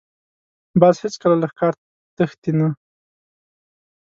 باز هېڅکله له ښکار تښتي نه